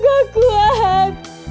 aku gak kuat